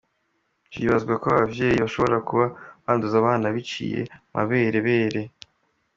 Vyibazwa ko abavyeyi bashobora kuba banduza abana biciye mu maberebere.